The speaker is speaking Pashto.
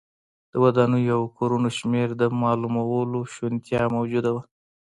د ودانیو او کورونو شمېر د معلومولو شونتیا موجوده وه.